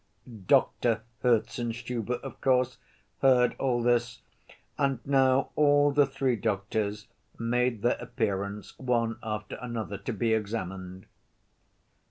Doctor Herzenstube, of course, heard all this, and now all the three doctors made their appearance, one after another, to be examined.